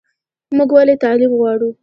موږ ولې تعلیم غواړو؟